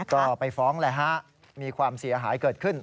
ก็ไปฟ้องแหละฮะมีความเสียหายเกิดขึ้น